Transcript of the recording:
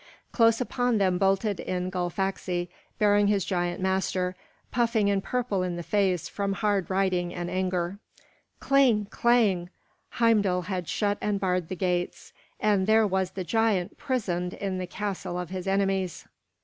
Close upon them bolted in Gullfaxi, bearing his giant master, puffing and purple in the face from hard riding and anger. Cling clang! Heimdal had shut and barred the gates, and there was the giant prisoned in the castle of his enemies.